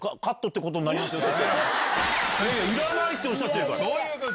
いらないっておっしゃるから。